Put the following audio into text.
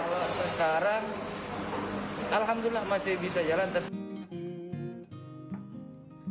sekarang alhamdulillah masih bisa jalan